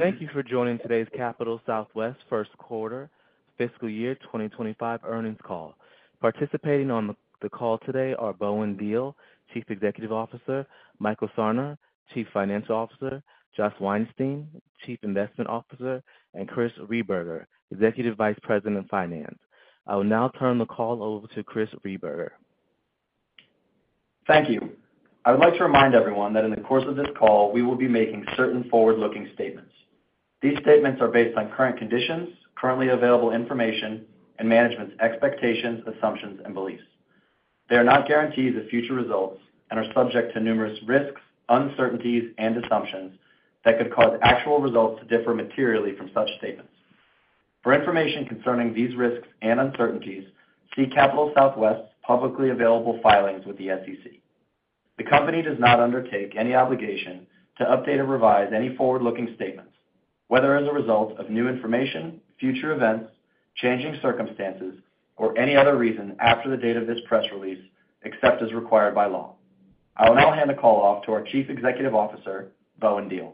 Thank you for joining today's Capital Southwest first quarter fiscal year 2025 earnings call. Participating on the call today are Bowen Diehl, Chief Executive Officer, Michael Sarner, Chief Financial Officer, Josh Weinstein, Chief Investment Officer, and Chris Rehberger, Executive Vice President of Finance. I will now turn the call over to Chris Rehberger. Thank you. I would like to remind everyone that in the course of this call, we will be making certain forward-looking statements. These statements are based on current conditions, currently available information, and management's expectations, assumptions, and beliefs. They are not guarantees of future results and are subject to numerous risks, uncertainties, and assumptions that could cause actual results to differ materially from such statements. For information concerning these risks and uncertainties, see Capital Southwest's publicly available filings with the SEC. The company does not undertake any obligation to update or revise any forward-looking statements, whether as a result of new information, future events, changing circumstances, or any other reason after the date of this press release, except as required by law. I will now hand the call off to our Chief Executive Officer, Bowen Diehl.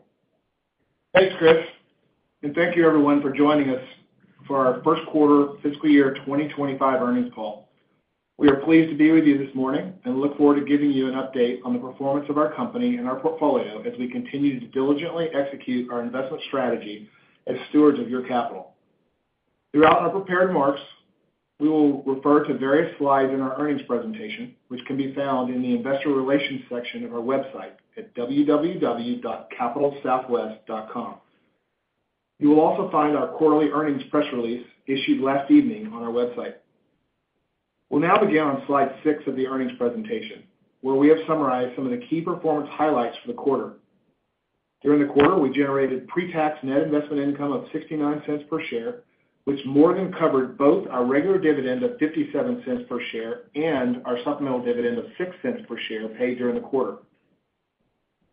Thanks, Chris, and thank you everyone for joining us for our first quarter fiscal year 2025 earnings call. We are pleased to be with you this morning and look forward to giving you an update on the performance of our company and our portfolio as we continue to diligently execute our investment strategy as stewards of your capital. Throughout our prepared remarks, we will refer to various slides in our earnings presentation, which can be found in the Investor Relations section of our website at www.capitalsouthwest.com. You will also find our quarterly earnings press release issued last evening on our website. We'll now begin on slide six of the earnings presentation, where we have summarized some of the key performance highlights for the quarter. During the quarter, we generated pre-tax net investment income of $0.69 per share, which more than covered both our regular dividend of $0.57 per share and our supplemental dividend of $0.06 per share paid during the quarter.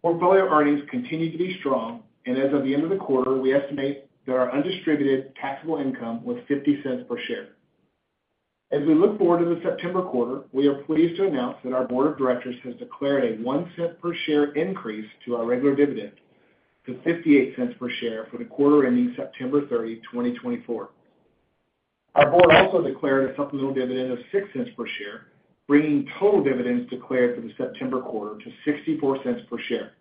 Portfolio earnings continued to be strong, and as of the end of the quarter, we estimate that our undistributed taxable income was $0.50 per share. As we look forward to the September quarter, we are pleased to announce that our board of directors has declared a $0.01 per share increase to our regular dividend to $0.58 per share for the quarter ending September 30, 2024. Our board also declared a supplemental dividend of $0.06 per share, bringing total dividends declared for the September quarter to $0.64 per share.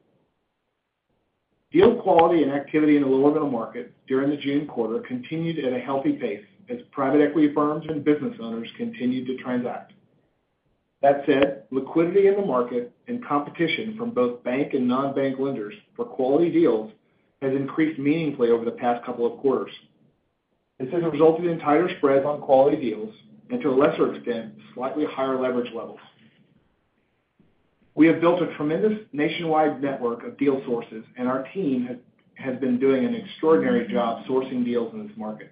Deal quality and activity in the lower middle market during the June quarter continued at a healthy pace as private equity firms and business owners continued to transact. That said, liquidity in the market and competition from both bank and non-bank lenders for quality deals has increased meaningfully over the past couple of quarters. This has resulted in tighter spreads on quality deals and, to a lesser extent, slightly higher leverage levels. We have built a tremendous nationwide network of deal sources, and our team has been doing an extraordinary job sourcing deals in this market.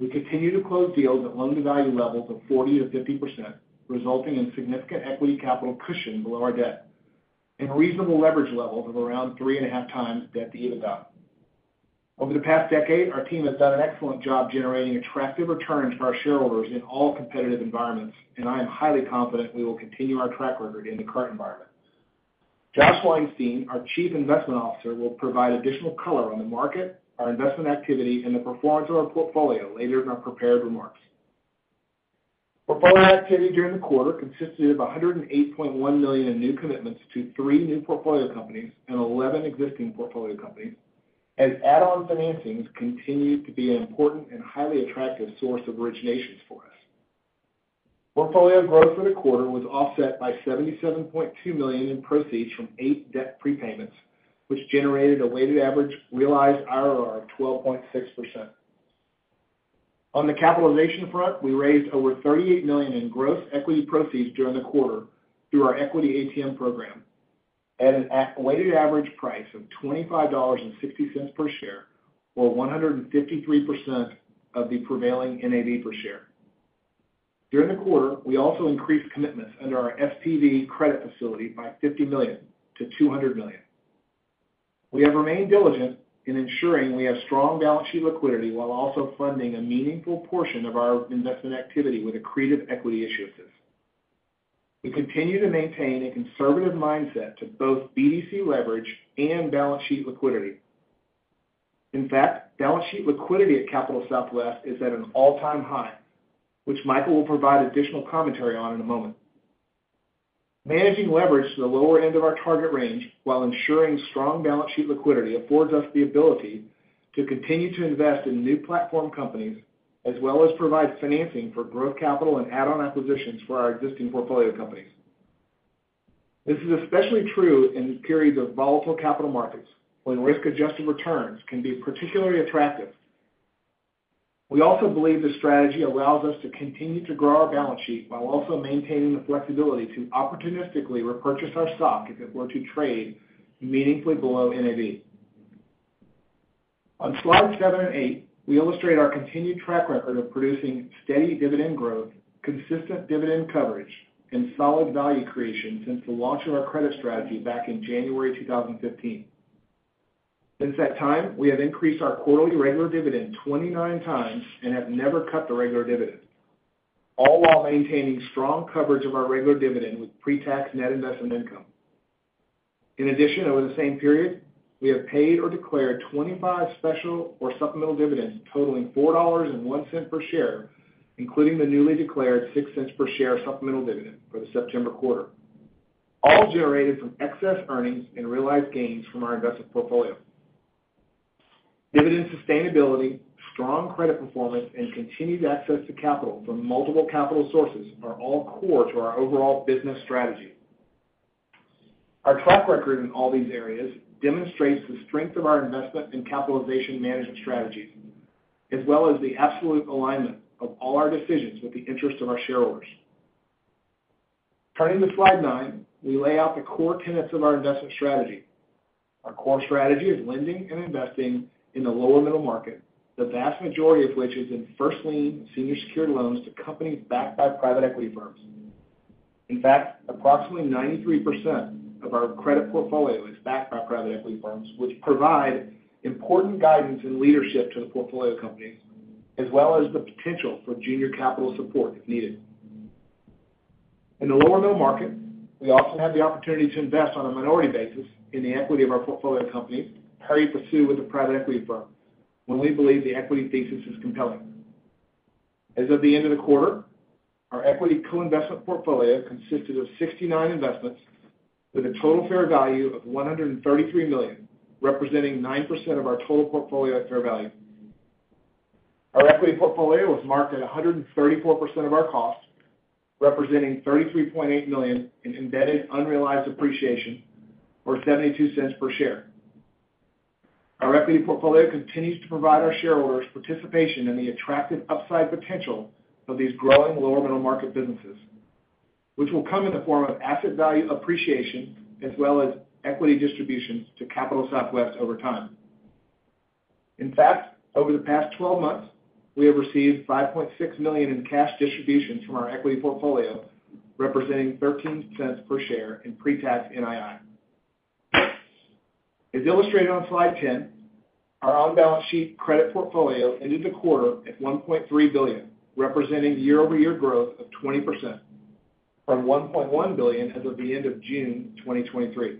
We continue to close deals at loan-to-value levels of 40%-50%, resulting in significant equity capital cushion below our debt and reasonable leverage levels of around 3.5x debt to EBITDA. Over the past decade, our team has done an excellent job generating attractive returns for our shareholders in all competitive environments, and I am highly confident we will continue our track record in the current environment. Josh Weinstein, our Chief Investment Officer, will provide additional color on the market, our investment activity, and the performance of our portfolio later in our prepared remarks. Portfolio activity during the quarter consisted of $108.1 million in new commitments to three new portfolio companies and 11 existing portfolio companies, as add-on financings continued to be an important and highly attractive source of originations for us. Portfolio growth for the quarter was offset by $77.2 million in proceeds from eight debt prepayments, which generated a weighted average realized IRR of 12.6%. On the capitalization front, we raised over $38 million in gross equity proceeds during the quarter through our equity ATM program at a weighted average price of $25.60 per share, or 153% of the prevailing NAV per share. During the quarter, we also increased commitments under our SPV credit facility by $50 million-$200 million. We have remained diligent in ensuring we have strong balance sheet liquidity while also funding a meaningful portion of our investment activity with accretive equity issuances. We continue to maintain a conservative mindset to both BDC leverage and balance sheet liquidity. In fact, balance sheet liquidity at Capital Southwest is at an all-time high, which Michael will provide additional commentary on in a moment. Managing leverage to the lower end of our target range while ensuring strong balance sheet liquidity affords us the ability to continue to invest in new platform companies, as well as provide financing for growth capital and add-on acquisitions for our existing portfolio companies. This is especially true in periods of volatile capital markets when risk-adjusted returns can be particularly attractive. We also believe this strategy allows us to continue to grow our balance sheet while also maintaining the flexibility to opportunistically repurchase our stock if it were to trade meaningfully below NAV. On slides seven and eight, we illustrate our continued track record of producing steady dividend growth, consistent dividend coverage, and solid value creation since the launch of our credit strategy back in January 2015. Since that time, we have increased our quarterly regular dividend 29x and have never cut the regular dividend. all while maintaining strong coverage of our regular dividend with pre-tax net investment income. In addition, over the same period, we have paid or declared 25 special or supplemental dividends totaling $4.01 per share, including the newly declared $0.06 per share supplemental dividend for the September quarter, all generated from excess earnings and realized gains from our investment portfolio. Dividend sustainability, strong credit performance, and continued access to capital from multiple capital sources are all core to our overall business strategy. Our track record in all these areas demonstrates the strength of our investment and capitalization management strategies, as well as the absolute alignment of all our decisions with the interest of our shareholders. Turning to Slide nine, we lay out the core tenets of our investment strategy. Our core strategy is lending and investing in the lower middle market, the vast majority of which is in first lien senior secured loans to companies backed by private equity firms. In fact, approximately 93% of our credit portfolio is backed by private equity firms, which provide important guidance and leadership to the portfolio companies, as well as the potential for junior capital support if needed. In the lower middle market, we often have the opportunity to invest on a minority basis in the equity of our portfolio companies, pari passu with the private equity firm, when we believe the equity thesis is compelling. As of the end of the quarter, our equity co-investment portfolio consisted of 69 investments with a total fair value of $133 million, representing 9% of our total portfolio at fair value. Our equity portfolio was marked at 134% of our cost, representing $33.8 million in embedded unrealized appreciation, or $0.72 per share. Our equity portfolio continues to provide our shareholders participation in the attractive upside potential of these growing lower middle market businesses, which will come in the form of asset value appreciation as well as equity distributions to Capital Southwest over time. In fact, over the past 12 months, we have received $5.6 million in cash distributions from our equity portfolio, representing $0.13 per share in pre-tax NII. As illustrated on Slide 10, our on-balance sheet credit portfolio ended the quarter at $1.3 billion, representing year-over-year growth of 20% from $1.1 billion as of the end of June 2023.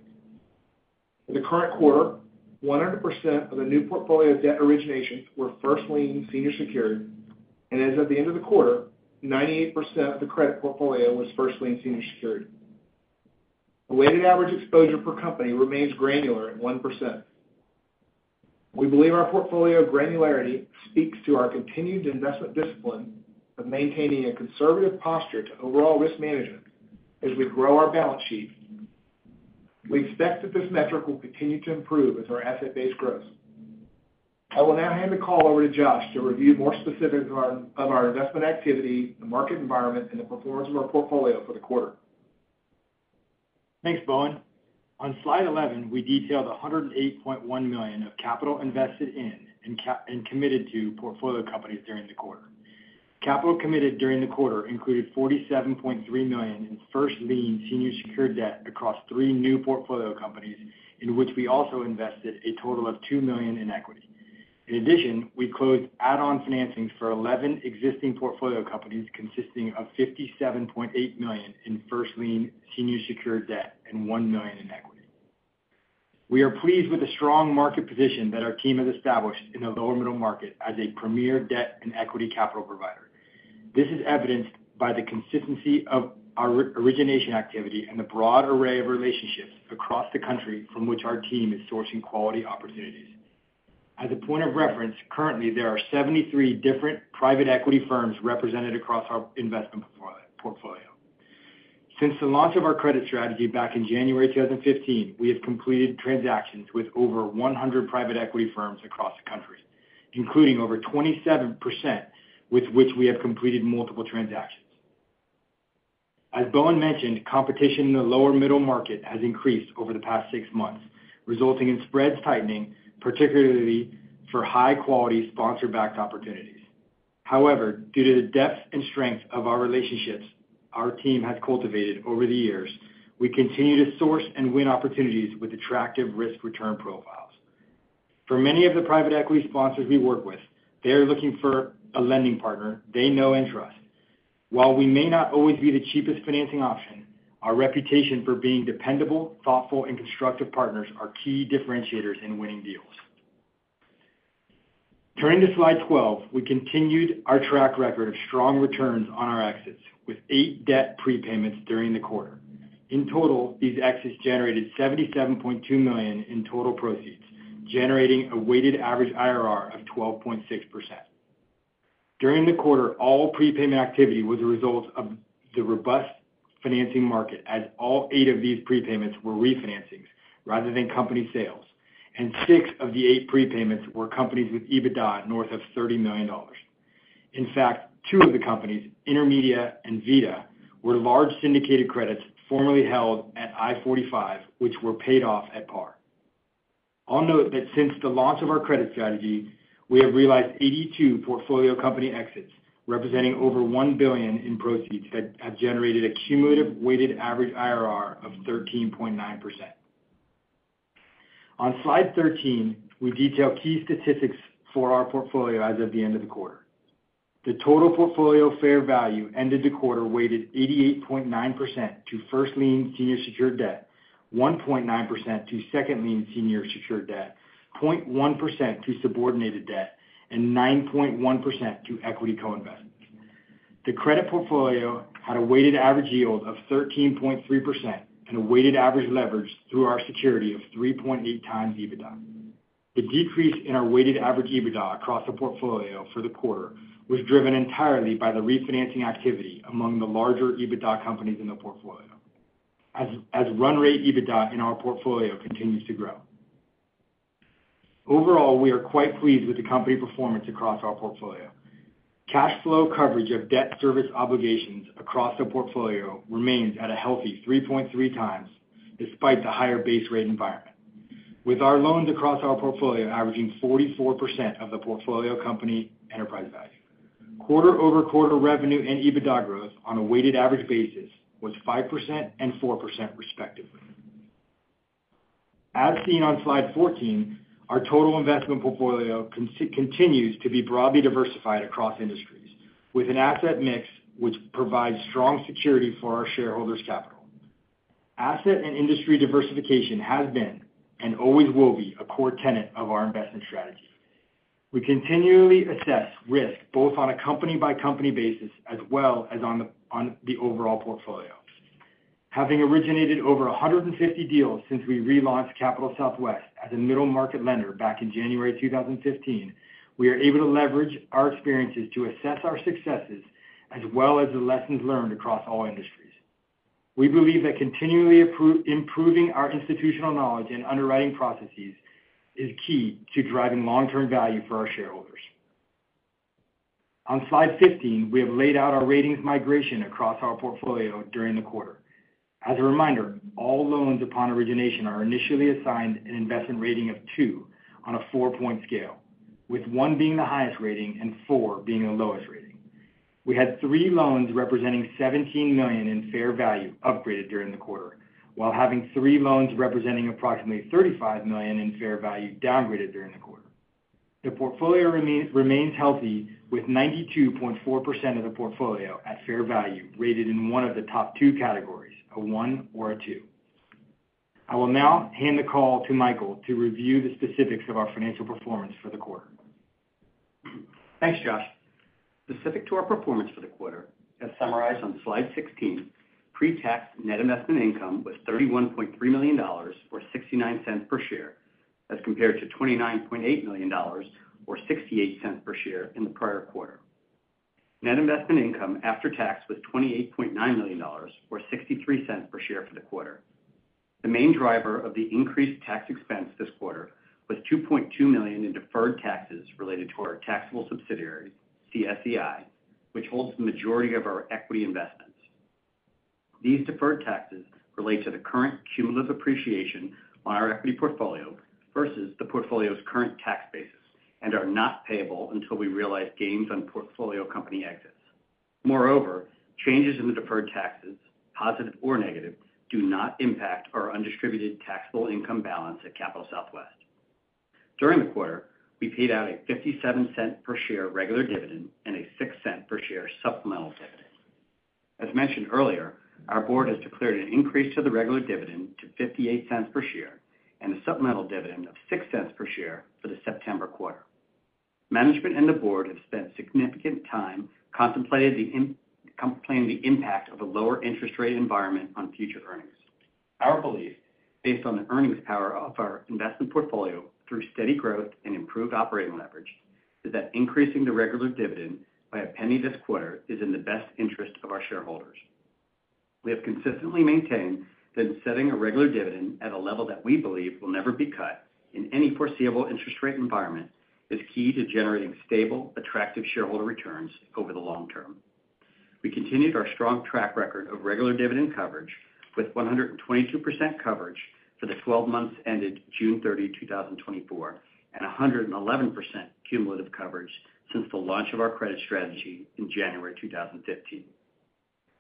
In the current quarter, 100% of the new portfolio debt originations were first lien senior secured, and as of the end of the quarter, 98% of the credit portfolio was first lien senior secured. The weighted average exposure per company remains granular at 1%. We believe our portfolio granularity speaks to our continued investment discipline of maintaining a conservative posture to overall risk management as we grow our balance sheet. We expect that this metric will continue to improve as our asset base grows. I will now hand the call over to Josh to review more specifics of our investment activity, the market environment, and the performance of our portfolio for the quarter. Thanks, Bowen. On Slide 11, we detailed $108.1 million of capital invested in and committed to portfolio companies during the quarter. Capital committed during the quarter included $47.3 million in first lien senior secured debt across three new portfolio companies, in which we also invested a total of $2 million in equity. In addition, we closed add-on financings for 11 existing portfolio companies, consisting of $57.8 million in first lien senior secured debt and $1 million in equity. We are pleased with the strong market position that our team has established in the lower middle market as a premier debt and equity capital provider. This is evidenced by the consistency of our re-origination activity and the broad array of relationships across the country from which our team is sourcing quality opportunities. As a point of reference, currently, there are 73 different private equity firms represented across our investment portfolio. Since the launch of our credit strategy back in January 2015, we have completed transactions with over 100 private equity firms across the country, including over 27%, with which we have completed multiple transactions. As Bowen mentioned, competition in the lower middle market has increased over the past six months, resulting in spreads tightening, particularly for high-quality sponsor-backed opportunities. However, due to the depth and strength of our relationships, our team has cultivated over the years, we continue to source and win opportunities with attractive risk-return profiles. For many of the private equity sponsors we work with, they are looking for a lending partner they know and trust. While we may not always be the cheapest financing option, our reputation for being dependable, thoughtful, and constructive partners are key differentiators in winning deals. Turning to Slide 12, we continued our track record of strong returns on our exits, with eight debt prepayments during the quarter. In total, these exits generated $77.2 million in total proceeds, generating a weighted average IRR of 12.6%. During the quarter, all prepayment activity was a result of the robust financing market, as all eight of these prepayments were refinancings rather than company sales, and six of the eight prepayments were companies with EBITDA north of $30 million. In fact, two of the companies, Intermedia and Vita, were large syndicated credits formerly held at I-45, which were paid off at par. I'll note that since the launch of our credit strategy, we have realized 82 portfolio company exits, representing over $1 billion in proceeds that have generated a cumulative weighted average IRR of 13.9%. On slide 13, we detail key statistics for our portfolio as of the end of the quarter. The total portfolio fair value ended the quarter weighted 88.9% to First Lien Senior Secured Debt, 1.9% to Second Lien Senior Secured Debt, 0.1% to Subordinated Debt, and 9.1% to equity co-investments. The credit portfolio had a weighted average yield of 13.3% and a weighted average leverage through our security of 3.8x EBITDA. The decrease in our weighted average EBITDA across the portfolio for the quarter was driven entirely by the refinancing activity among the larger EBITDA companies in the portfolio, as run rate EBITDA in our portfolio continues to grow. Overall, we are quite pleased with the company performance across our portfolio. Cash flow coverage of debt service obligations across the portfolio remains at a healthy 3.3x, despite the higher base rate environment. With our loans across our portfolio averaging 44% of the portfolio company enterprise value. Quarter-over-quarter revenue and EBITDA growth on a weighted average basis was 5% and 4%, respectively. As seen on Slide 14, our total investment portfolio continues to be broadly diversified across industries, with an asset mix which provides strong security for our shareholders' capital. Asset and industry diversification has been, and always will be, a core tenet of our investment strategy. We continually assess risk, both on a company-by-company basis as well as on the overall portfolio. Having originated over 150 deals since we relaunched Capital Southwest as a middle-market lender back in January 2015, we are able to leverage our experiences to assess our successes, as well as the lessons learned across all industries. We believe that continually improving our institutional knowledge and underwriting processes is key to driving long-term value for our shareholders. On Slide 15, we have laid out our ratings migration across our portfolio during the quarter. As a reminder, all loans upon origination are initially assigned an investment rating of two on a four-point scale, with one being the highest rating and four being the lowest rating. We had three loans representing $17 million in fair value upgraded during the quarter, while having three loans representing approximately $35 million in fair value downgraded during the quarter. The portfolio remains healthy, with 92.4% of the portfolio at fair value rated in one of the top two categories, a one or a two. I will now hand the call to Michael to review the specifics of our financial performance for the quarter. Thanks, Josh. Specific to our performance for the quarter, as summarized on Slide 16, pre-tax net investment income was $31.3 million, or $0.69 per share, as compared to $29.8 million, or $0.68 per share in the prior quarter. Net investment income after tax was $28.9 million, or $0.63 per share for the quarter. The main driver of the increased tax expense this quarter was $2.2 million in deferred taxes related to our taxable subsidiary, CSEI, which holds the majority of our equity investments. These deferred taxes relate to the current cumulative appreciation on our equity portfolio versus the portfolio's current tax basis, and are not payable until we realize gains on portfolio company exits. Moreover, changes in the deferred taxes, positive or negative, do not impact our undistributed taxable income balance at Capital Southwest. During the quarter, we paid out a $0.57 per share regular dividend and a $0.06 per share supplemental dividend. As mentioned earlier, our board has declared an increase to the regular dividend to $0.58 per share and a supplemental dividend of $0.06 per share for the September quarter. Management and the board have spent significant time contemplating the impact of a lower interest rate environment on future earnings. Our belief, based on the earnings power of our investment portfolio through steady growth and improved operating leverage, is that increasing the regular dividend by $0.01 this quarter is in the best interest of our shareholders. We have consistently maintained that setting a regular dividend at a level that we believe will never be cut in any foreseeable interest rate environment, is key to generating stable, attractive shareholder returns over the long term. We continued our strong track record of regular dividend coverage with 122% coverage for the twelve months ended June 30, 2024, and 111% cumulative coverage since the launch of our credit strategy in January 2015.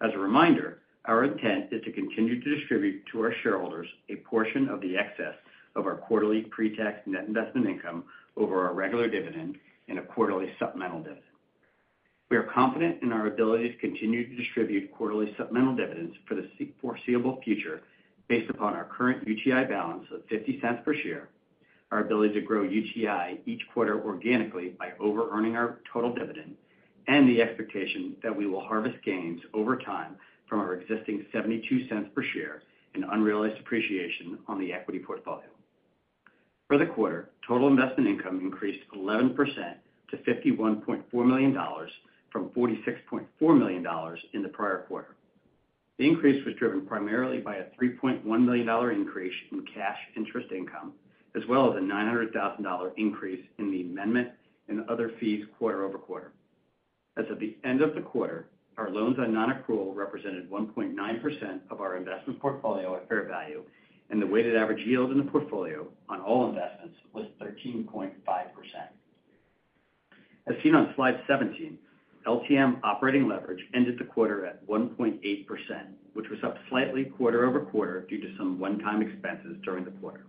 As a reminder, our intent is to continue to distribute to our shareholders a portion of the excess of our quarterly pre-tax net investment income over our regular dividend in a quarterly supplemental dividend. We are confident in our ability to continue to distribute quarterly supplemental dividends for the foreseeable future based upon our current UTI balance of $0.50 per share, our ability to grow UTI each quarter organically by overearning our total dividend, and the expectation that we will harvest gains over time from our existing $0.72 per share in unrealized appreciation on the equity portfolio. For the quarter, total investment income increased 11% to $51.4 million from $46.4 million in the prior quarter. The increase was driven primarily by a $3.1 million increase in cash interest income, as well as a $900,000 increase in the amendment and other fees quarter over quarter. As of the end of the quarter, our loans on non-accrual represented 1.9% of our investment portfolio at fair value, and the weighted average yield in the portfolio on all investments was 13.5%. As seen on Slide 17, LTM operating leverage ended the quarter at 1.8%, which was up slightly quarter over quarter due to some one-time expenses during the quarter.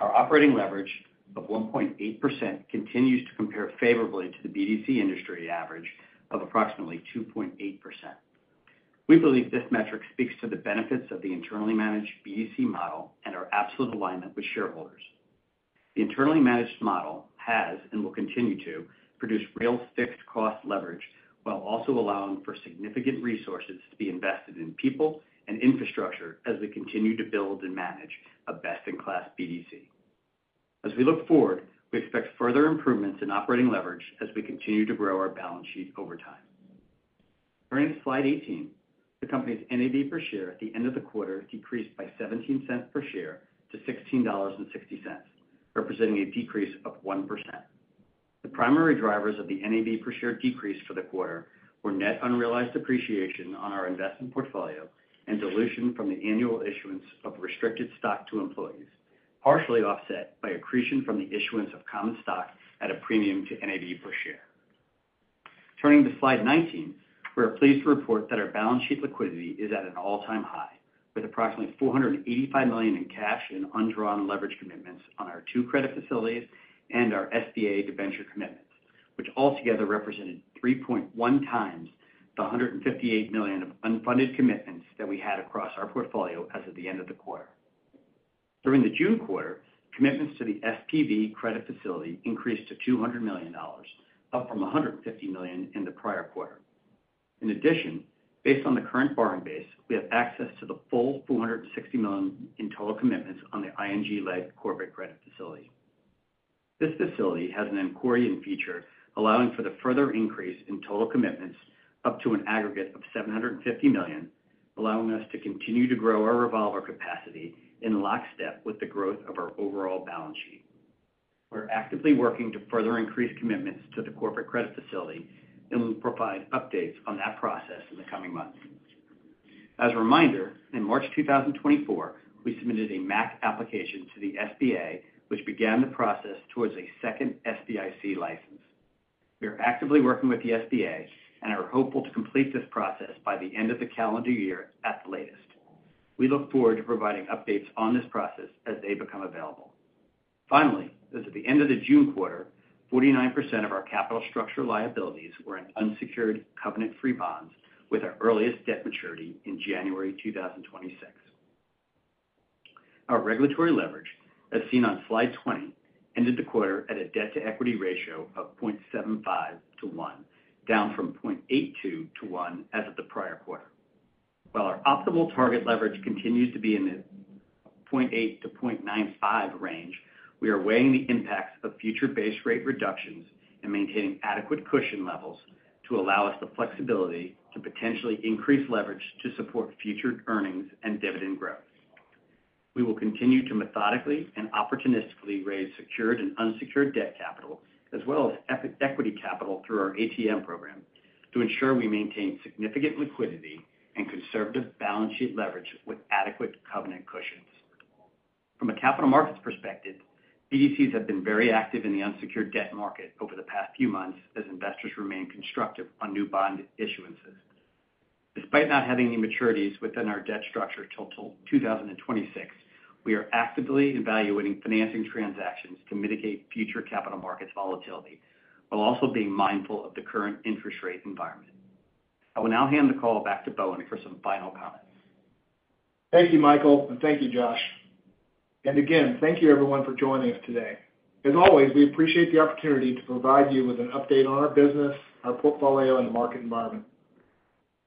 Our operating leverage of 1.8% continues to compare favorably to the BDC industry average of approximately 2.8%. We believe this metric speaks to the benefits of the internally managed BDC model and our absolute alignment with shareholders. The internally managed model has, and will continue to, produce real fixed cost leverage, while also allowing for significant resources to be invested in people and infrastructure as we continue to build and manage a best-in-class BDC. As we look forward, we expect further improvements in operating leverage as we continue to grow our balance sheet over time. Turning to Slide 18, the company's NAV per share at the end of the quarter decreased by $0.17 per share to $16.60, representing a decrease of 1%. The primary drivers of the NAV per share decrease for the quarter were net unrealized appreciation on our investment portfolio and dilution from the annual issuance of restricted stock to employees, partially offset by accretion from the issuance of common stock at a premium to NAV per share. Turning to Slide 19, we're pleased to report that our balance sheet liquidity is at an all-time high, with approximately $485 million in cash and undrawn leverage commitments on our two credit facilities and our SBA debenture commitments, which altogether represented 3.1x the $158 million of unfunded commitments that we had across our portfolio as of the end of the quarter. During the June quarter, commitments to the SPV credit facility increased to $200 million, up from $150 million in the prior quarter. In addition, based on the current borrowing base, we have access to the full $460 million in total commitments on the ING-led corporate credit facility. This facility has an accordion feature, allowing for the further increase in total commitments up to an aggregate of $750 million, allowing us to continue to grow our revolver capacity in lockstep with the growth of our overall balance sheet. We're actively working to further increase commitments to the corporate credit facility, and we'll provide updates on that process in the coming months. As a reminder, in March 2024, we submitted a MAQ application to the SBA, which began the process towards a second SBIC license. We are actively working with the SBA and are hopeful to complete this process by the end of the calendar year at the latest. We look forward to providing updates on this process as they become available. Finally, as of the end of the June quarter, 49% of our capital structure liabilities were in unsecured covenant-free bonds, with our earliest debt maturity in January 2026. Our regulatory leverage, as seen on Slide 20, ended the quarter at a debt-to-equity ratio of 0.75-1, down from 0.82 to one as of the prior quarter. While our optimal target leverage continues to be in the 0.8-0.95 range, we are weighing the impacts of future base rate reductions and maintaining adequate cushion levels to allow us the flexibility to potentially increase leverage to support future earnings and dividend growth. We will continue to methodically and opportunistically raise secured and unsecured debt capital, as well as equity capital through our ATM program to ensure we maintain significant liquidity and conservative balance sheet leverage with adequate covenant cushions. From a capital markets perspective, BDCs have been very active in the unsecured debt market over the past few months as investors remain constructive on new bond issuances. Despite not having any maturities within our debt structure till 2026, we are actively evaluating financing transactions to mitigate future capital markets volatility, while also mindful of the current interest rate environment. I will now hand the call back to Bowen for some final comments. Thank you, Michael, and thank you, Josh. And again, thank you everyone for joining us today. As always, we appreciate the opportunity to provide you with an update on our business, our portfolio, and the market environment.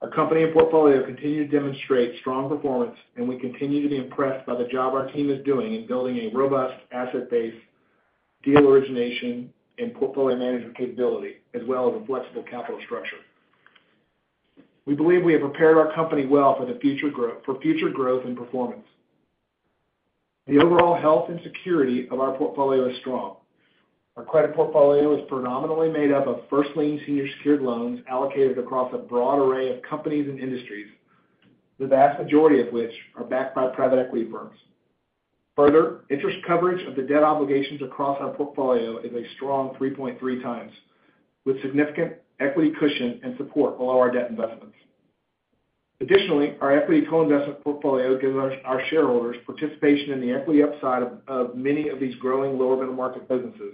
Our company and portfolio continue to demonstrate strong performance, and we continue to be impressed by the job our team is doing in building a robust asset base, deal origination, and portfolio management capability, as well as a flexible capital structure. We believe we have prepared our company well for future growth and performance. The overall health and security of our portfolio is strong. Our credit portfolio is predominantly made up of first lien senior secured loans allocated across a broad array of companies and industries, the vast majority of which are backed by private equity firms. Further, interest coverage of the debt obligations across our portfolio is a strong 3.3x, with significant equity cushion and support below our debt investments. Additionally, our equity co-investment portfolio gives our shareholders participation in the equity upside of many of these growing lower middle-market businesses,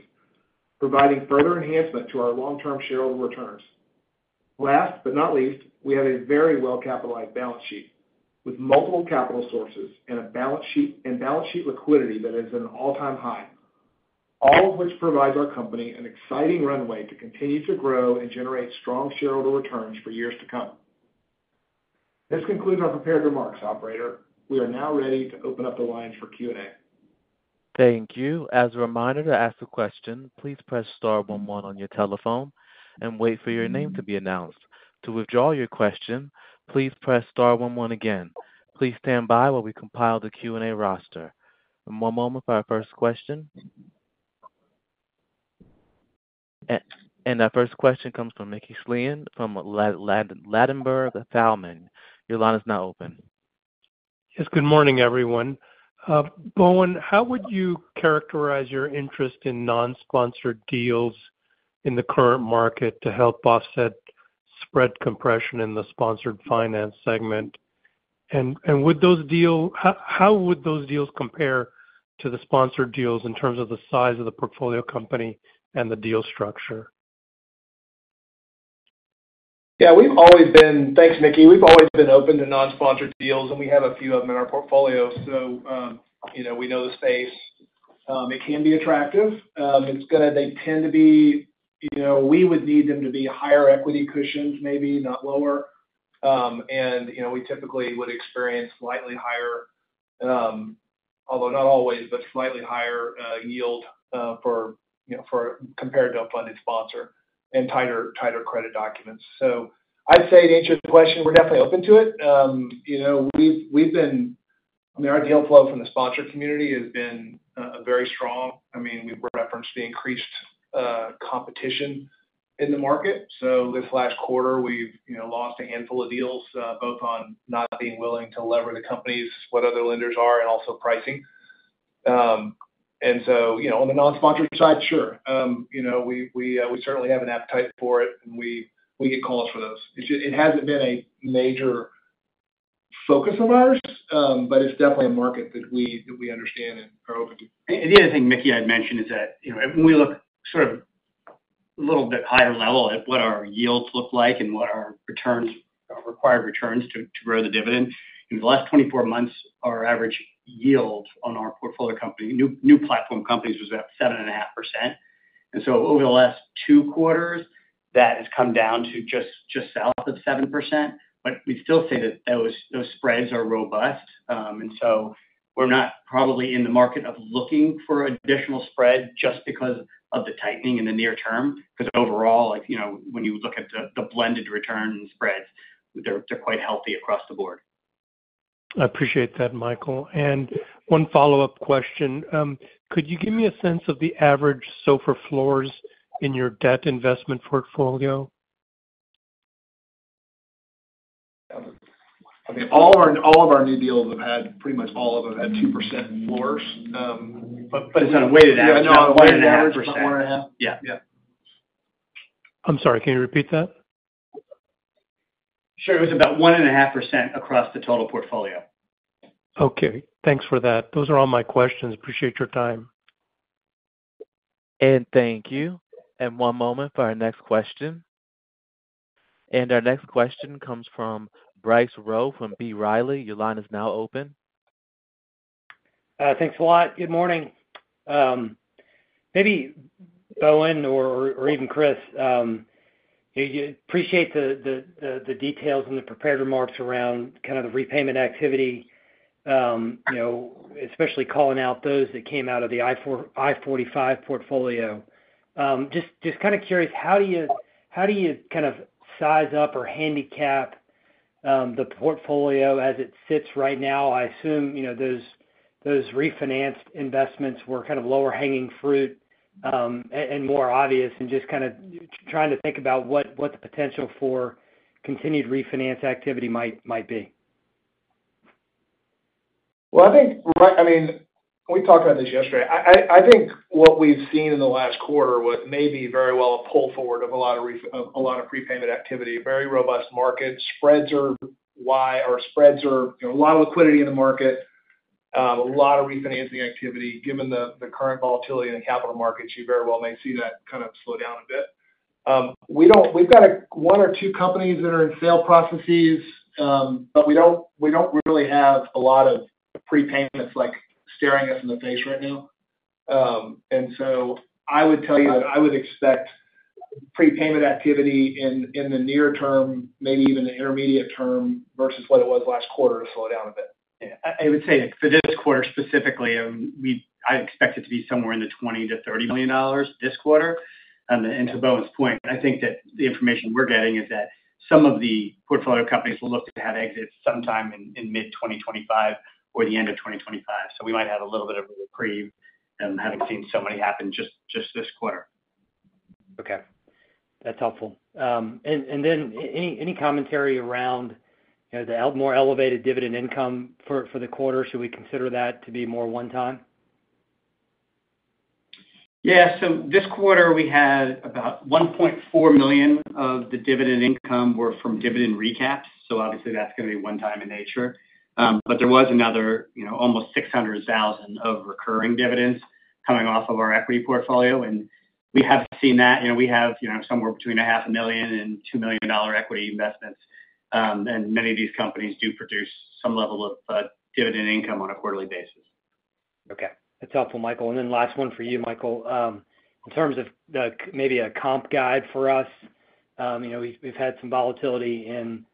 providing further enhancement to our long-term shareholder returns. Last but not least, we have a very well-capitalized balance sheet with multiple capital sources and balance sheet liquidity that is at an all-time high, all of which provides our company an exciting runway to continue to grow and generate strong shareholder returns for years to come. This concludes our prepared remarks, operator. We are now ready to open up the lines for Q&A. Thank you. As a reminder to ask a question, please press star one one on your telephone and wait for your name to be announced. To withdraw your question, please press star one one again. Please stand by while we compile the Q&A roster. One moment for our first question. And our first question comes from Mickey Schleien from Ladenburg Thalmann. Your line is now open. Yes, good morning, everyone. Bowen, how would you characterize your interest in non-sponsored deals in the current market to help offset spread compression in the sponsored finance segment? And would those deals compare to the sponsored deals in terms of the size of the portfolio company and the deal structure? Yeah, thanks, Mickey. We've always been open to non-sponsored deals, and we have a few of them in our portfolio, so, you know, we know the space. It can be attractive. They tend to be, you know, we would need them to be higher equity cushions maybe, not lower. And, you know, we typically would experience slightly higher, although not always, but slightly higher yield, for, you know, for compared to a funded sponsor and tighter, tighter credit documents. So I'd say, to answer the question, we're definitely open to it. You know, we've been, I mean, our deal flow from the sponsor community has been very strong. I mean, we've referenced the increased competition in the market. So this last quarter, we've, you know, lost a handful of deals, both on not being willing to lever the companies what other lenders are, and also pricing. And so, you know, on the non-sponsored side, sure, we certainly have an appetite for it, and we get calls for those. It hasn't been a major focus of ours, but it's definitely a market that we understand and are open to. And the other thing, Mickey, I'd mention is that, you know, when we look sort of a little bit higher level at what our yields look like and what our returns, required returns to grow the dividend, in the last 24 months, our average yield on our portfolio company new platform companies was about 7.5%. And so over the last two quarters, that has come down to just south of 7%, but we'd still say that those spreads are robust. And so we're not probably in the market of looking for additional spread just because of the tightening in the near term, because overall, like, you know, when you look at the blended return spreads, they're quite healthy across the board. I appreciate that, Michael. One follow-up question. Could you give me a sense of the average SOFR floors in your debt investment portfolio? I mean, all of our new deals have had pretty much all of them at 2% floors, but- But it's not a weighted average. Yeah, no, a weighted average. About 1.5%. About 1.5? Yeah. Yeah. I'm sorry, can you repeat that? Sure. It was about 1.5% across the total portfolio. Okay, thanks for that. Those are all my questions. Appreciate your time. Thank you. One moment for our next question. Our next question comes from Bryce Rowe from B. Riley. Your line is now open. Thanks a lot. Good morning. Maybe Bowen or even Chris, appreciate the details and the prepared remarks around kind of the repayment activity, you know, especially calling out those that came out of the I-45 portfolio. Just kind of curious, how do you kind of size up or handicap the portfolio as it sits right now? I assume, you know, those refinanced investments were kind of lower-hanging fruit, and more obvious and just kind of trying to think about what the potential for continued refinance activity might be. Well, I think, right. I mean, we talked about this yesterday. I think what we've seen in the last quarter was maybe very well a pull forward of a lot of refinancing of a lot of prepayment activity, very robust market. Spreads are wide, or spreads are, you know, a lot of liquidity in the market, a lot of refinancing activity. Given the current volatility in the capital markets, you very well may see that kind of slow down a bit. We don't. We've got one or two companies that are in sale processes, but we don't really have a lot of prepayments like staring us in the face right now. And so I would tell you that I would expect prepayment activity in the near term, maybe even the intermediate term versus what it was last quarter, to slow down a bit. Yeah, I would say for this quarter specifically, we expect it to be somewhere in the $20 million-$30 million this quarter. And then, to Bowen's point, I think that the information we're getting is that some of the portfolio companies will look to have exits sometime in mid-2025 or the end of 2025. So we might have a little bit of a reprieve, having seen so many happen just this quarter. Okay, that's helpful. And then any commentary around, you know, the more elevated dividend income for the quarter? Should we consider that to be more one-time? Yeah, so this quarter, we had about $1.4 million of the dividend income were from dividend recaps, so obviously that's going to be one time in nature. But there was another, you know, almost $600,000 of recurring dividends coming off of our equity portfolio, and we have seen that. You know, we have, you know, somewhere between $500,000 and $2 million equity investments, and many of these companies do produce some level of dividend income on a quarterly basis. Okay. That's helpful, Michael. And then last one for you, Michael. In terms of maybe a comp guide for us, you know, we've had some volatility in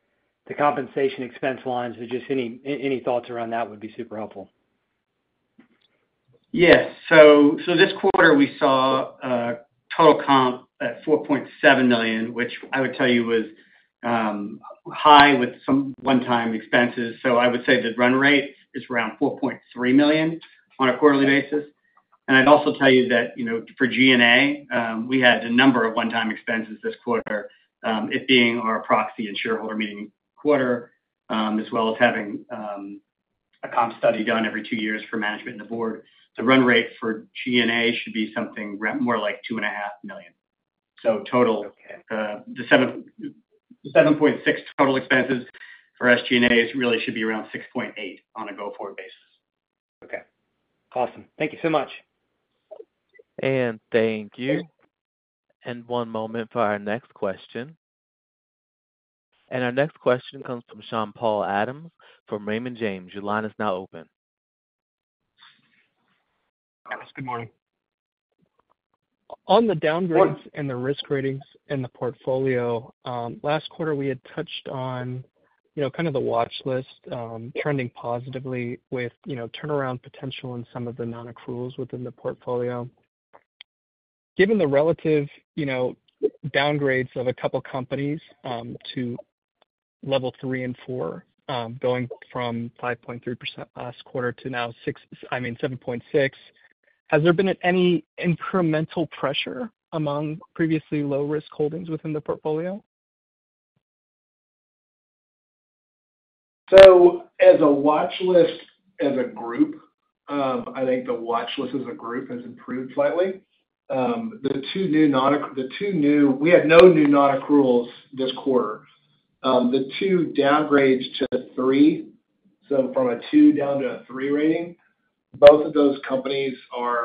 the compensation expense lines. So just any thoughts around that would be super helpful. Yes. So, so this quarter, we saw, total comp at $4.7 million, which I would tell you was, high with some one-time expenses. So I would say the run rate is around $4.3 million on a quarterly basis. And I'd also tell you that, you know, for GNA, we had a number of one-time expenses this quarter, it being our proxy and shareholder meeting quarter, as well as having, a comp study done every two years for management and the board. The run rate for GNA should be something more like $2.5 million. So total- Okay. The $7.6 total expenses for SG&As really should be around $6.8 on a go-forward basis. Okay, awesome. Thank you so much. Thank you. One moment for our next question. Our next question comes from Sean-Paul Adams from Raymond James. Your line is now open. Good morning. On the downgrades and the risk ratings in the portfolio, last quarter, we had touched on, you know, kind of the watch list, trending positively with, you know, turnaround potential in some of the non-accruals within the portfolio. Given the relative, you know, downgrades of a couple companies, to level three and four, going from 5.3% last quarter to now—I mean, 7.6%, has there been any incremental pressure among previously low-risk holdings within the portfolio? So as a watchlist, as a group, I think the watchlist as a group has improved slightly. We had no new non-accruals this quarter. The two downgrades to three, so from a two down to a three rating, both of those companies are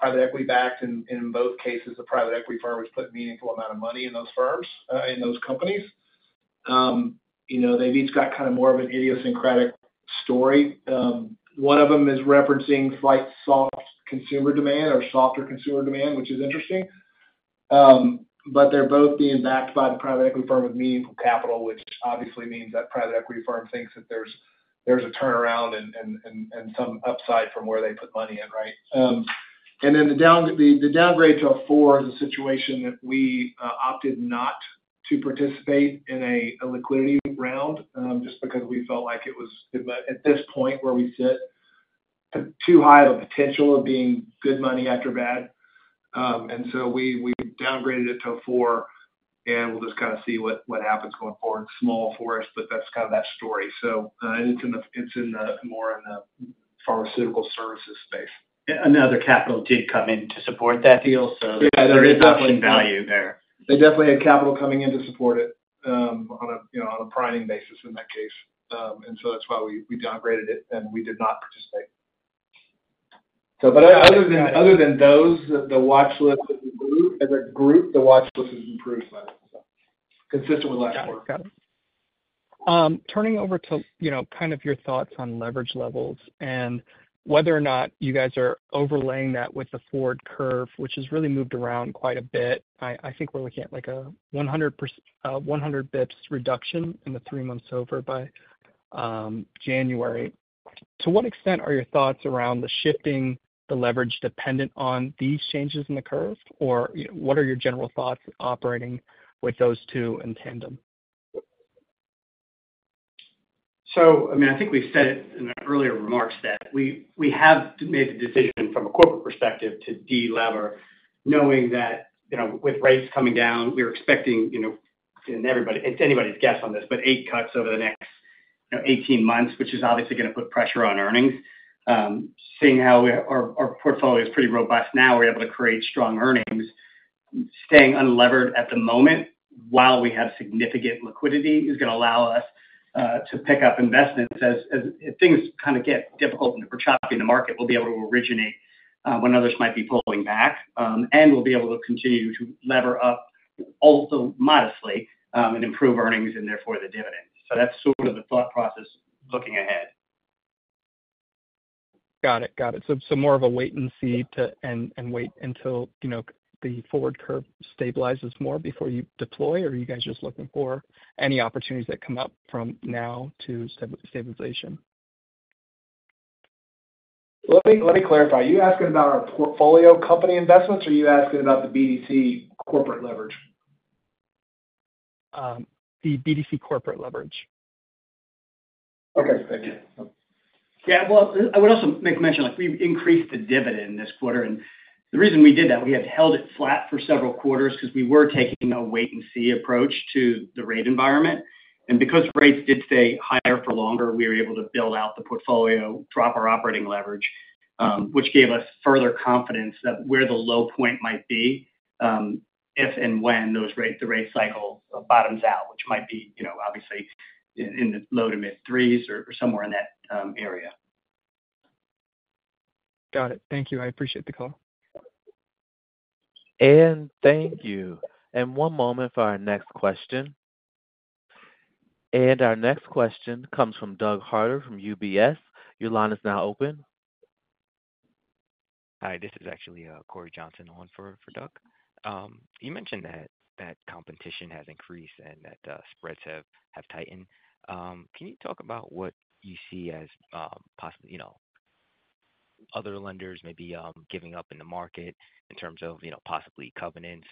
private equity-backed, and in both cases, the private equity firm has put meaningful amount of money in those firms, in those companies. You know, they've each got kind of more of an idiosyncratic story. One of them is referencing slight soft consumer demand or softer consumer demand, which is interesting. But they're both being backed by the private equity firm with meaningful capital, which obviously means that private equity firm thinks that there's a turnaround and some upside from where they put money in, right? And then the downgrade to a four is a situation that we opted not to participate in a liquidity round, just because we felt like it was, at this point where we sit, too high of a potential of being good money after bad. And so we downgraded it to a four, and we'll just kind of see what happens going forward. Small for us, but that's kind of that story. And it's more in the pharmaceutical services space. Other capital did come in to support that deal, so- Yeah, they definitely- There is option value there. They definitely had capital coming in to support it, you know, on a priming basis in that case. And so that's why we, we downgraded it, and we did not participate. So but other than, other than those, the watchlist as a group, as a group, the watchlist has improved slightly, so. Consistent with last quarter. Got it. Turning over to, you know, kind of your thoughts on leverage levels and whether or not you guys are overlaying that with the forward curve, which has really moved around quite a bit. I think we're looking at, like, a 100 basis points reduction in the three months over by January. To what extent are your thoughts around the shifting the leverage dependent on these changes in the curve? Or, you know, what are your general thoughts operating with those two in tandem? So, I mean, I think we said it in our earlier remarks that we have made the decision from a corporate perspective to de-lever, knowing that, you know, with rates coming down, we're expecting, you know, and everybody. It's anybody's guess on this, but eight cuts over the next, you know, 18 months, which is obviously gonna put pressure on earnings. Seeing how our portfolio is pretty robust now, we're able to create strong earnings. Staying unlevered at the moment, while we have significant liquidity, is gonna allow us to pick up investments. As things kind of get difficult or choppy in the market, we'll be able to originate when others might be pulling back, and we'll be able to continue to lever up, also modestly, and improve earnings, and therefore, the dividends. That's sort of the thought process looking ahead. Got it. Got it. So more of a wait-and-see and wait until, you know, the forward curve stabilizes more before you deploy, or are you guys just looking for any opportunities that come up from now to stabilization? Let me, let me clarify. Are you asking about our portfolio company investments, or are you asking about the BDC corporate leverage? The BDC corporate leverage. Okay. Yeah, well, I would also make mention, like, we've increased the dividend this quarter. The reason we did that, we had held it flat for several quarters because we were taking a wait and see approach to the rate environment. Because rates did stay higher for longer, we were able to build out the portfolio, drop our operating leverage, which gave us further confidence that where the low point might be, if and when the rate cycle bottoms out, which might be, you know, obviously, in the low to mid threes or somewhere in that area. Got it. Thank you. I appreciate the call. Thank you. One moment for our next question. Our next question comes from Doug Harter from UBS. Your line is now open. Hi, this is actually Cory Johnson on for Doug. You mentioned that competition has increased and that spreads have tightened. Can you talk about what you see as possibly, you know, other lenders maybe giving up in the market in terms of, you know, possibly covenants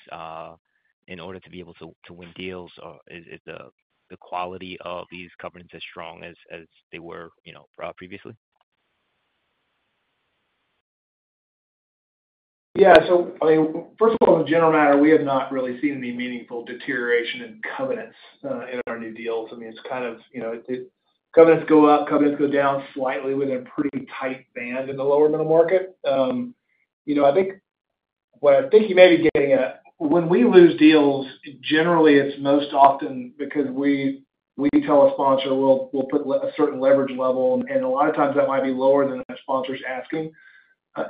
in order to be able to win deals? Or is the quality of these covenants as strong as they were, you know, previously? Yeah, so, I mean, first of all, as a general matter, we have not really seen any meaningful deterioration in covenants in our new deals. I mean, it's kind of, you know, covenants go up, covenants go down slightly within a pretty tight band in the lower middle market. You know, I think what I think you may be getting at, when we lose deals, generally, it's most often because we tell a sponsor, we'll put a certain leverage level, and a lot of times that might be lower than the sponsor's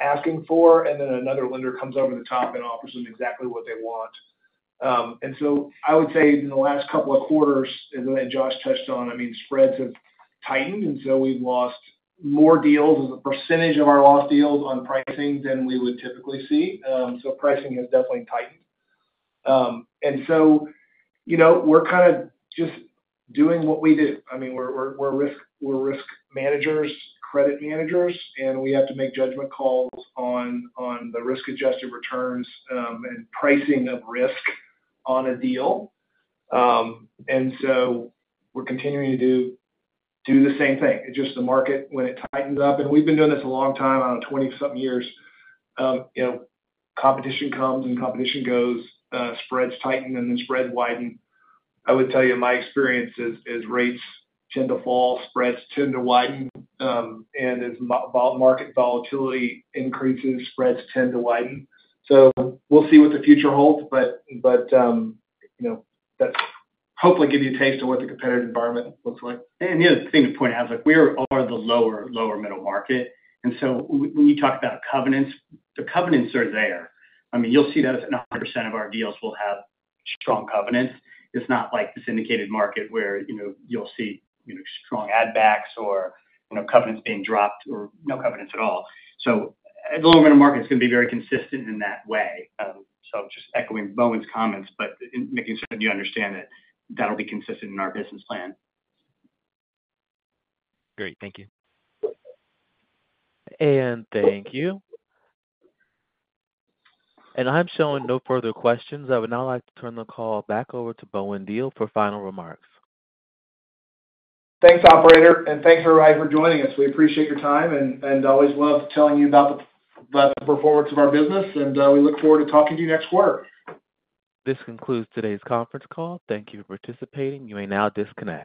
asking for, and then another lender comes over the top and offers them exactly what they want. And so I would say in the last couple of quarters, and that Josh touched on, I mean, spreads have tightened, and so we've lost more deals as a percentage of our lost deals on pricing than we would typically see. So pricing has definitely tightened. And so, you know, we're kind of just doing what we do. I mean, we're risk managers, credit managers, and we have to make judgment calls on the risk-adjusted returns, and pricing of risk on a deal. And so we're continuing to do the same thing. It's just the market, when it tightens up. And we've been doing this a long time, around 20-something years. You know, competition comes and competition goes, spreads tighten and then spreads widen. I would tell you, my experience is, as rates tend to fall, spreads tend to widen, and as volatility increases, spreads tend to widen. So we'll see what the future holds, but you know, that's hopefully give you a taste of what the competitive environment looks like. The other thing to point out is like we are the lower, lower middle market, and so when you talk about covenants, the covenants are there. I mean, you'll see that 100% of our deals will have strong covenants. It's not like the syndicated market where, you know, you'll see, you know, strong add backs or, you know, covenants being dropped or no covenants at all. So the lower middle market is going to be very consistent in that way. So just echoing Bowen's comments, but making sure that you understand that that'll be consistent in our business plan. Great. Thank you. Thank you. I'm showing no further questions. I would now like to turn the call back over to Bowen Diehl for final remarks. Thanks, operator, and thanks, everybody, for joining us. We appreciate your time and always love telling you about the performance of our business, and we look forward to talking to you next quarter. This concludes today's conference call. Thank you for participating. You may now disconnect.